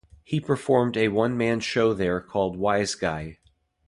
He performed a one-man show there called Wise Guy.